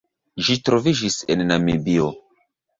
Ĝi troviĝis en Namibio.